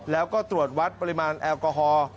แล้วก็ตรวจวัดปริมาณแอลกอฮอล์